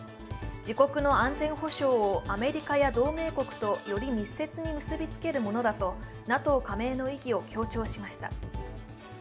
自国の安全保障をアメリカや同盟国とより密接に結びつけるものだとＮＡＴＯ加盟の意義を強調しました。